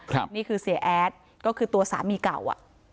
นี่คือเสียแอดก็คือตัวสามีเก่าอ่ะ